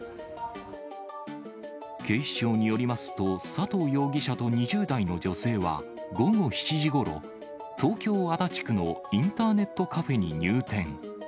警視庁によりますと、佐藤容疑者と２０代の女性は、午後７時ごろ、東京・足立区のインターネットカフェに入店。